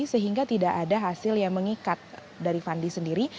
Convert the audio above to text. sehingga tidak ada hasil yang mengikat dari fandi sendiri